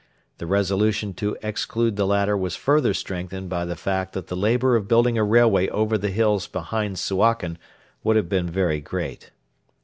The resolution to exclude the latter was further strengthened by the fact that the labour of building a railway over the hills behind Suakin would have been very great.